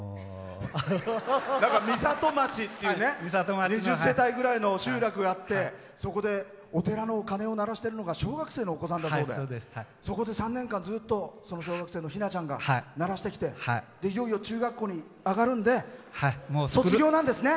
美里町っていう２０世帯ぐらいの集落があってそこでお寺の鐘を鳴らしてるのが小学生のお子さんだそうでそこで３年間、ずっと鳴らしてきていよいよ中学校に上がるんでそうです。